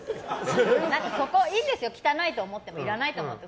いいですよ、汚いと思ってもいらないと思っても。